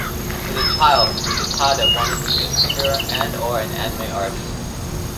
As a child, Kitade wanted to be a singer and or an anime artist.